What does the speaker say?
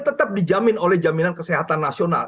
tetap dijamin oleh jaminan kesehatan nasional